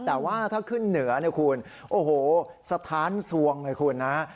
แต่ว่าถ้าขึ้นเหนือคุณโอ้โหสถานทรวงเลยคุณนะครับ